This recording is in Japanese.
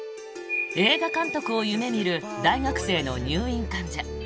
映画監督を夢見る大学生の入院患者。